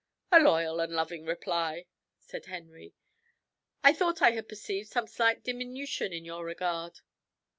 "A loyal and loving reply," said Henry. "I thought I had perceived some slight diminution in your regard."